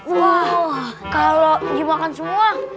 wah kalau dimakan semua